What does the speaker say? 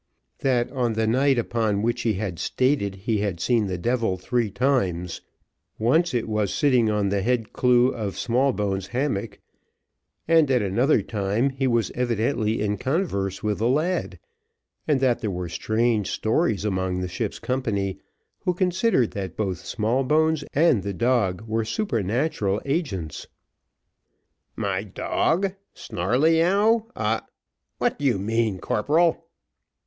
"That on that night upon which he had stated that he had seen the devil three times, once it was sitting on the head clue of Smallbones' hammock, and at another time that he was evidently in converse with the lad, and that there were strange stories among the ship's company, who considered that both Smallbones and the dog were supernatural agents." "My dog Snarleyyow a what do you mean, corporal?"